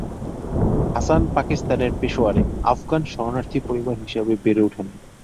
হাসান পাকিস্তানের পেশোয়ারে আফগান শরণার্থী পরিবার হিসেবে বেড়ে উঠেন।